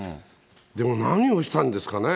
でも、何をしたんですかね。